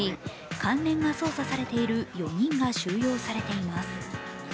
関連が捜査されている４人が収容されています。